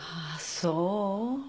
そう。